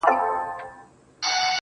سوال کوم کله دي ژړلي گراني ,